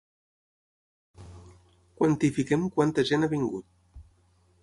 Quantifiquem quanta gent ha vingut.